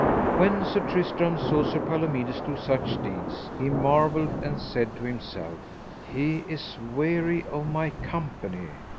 When Sir Tristram saw Sir Palomides do such deeds, he marvelled and said to himself: He is weary of my company.